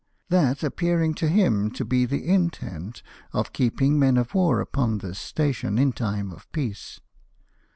that appearing to him to be the intent of keeping men of war upon this station in time of peace.